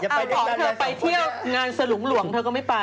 เอาของเธอไปเที่ยวงานสลุงหลวงเธอก็ไม่ไป